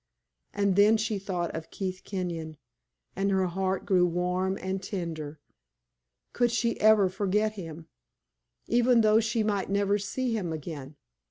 And then she thought of Keith Kenyon, and her heart grew warm and tender. Could she ever forget him, even though she might never see him again?